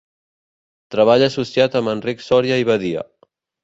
Treballa associat amb Enric Sòria i Badia.